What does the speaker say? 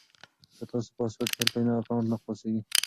که تاسو پاسورډ هېر کړئ نو اکاونټ نه خلاصیږي.